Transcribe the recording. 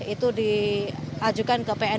itu diajukan ke pn